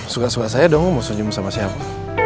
suka suka saya dong mau senyum sama siapa